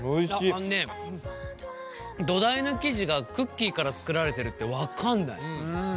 あのね土台の生地がクッキーから作られてるって分かんない。